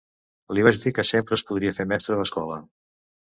Li vaig dir que sempre es podia fer mestre d'escola.